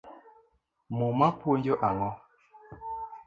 Muma puonjo ango?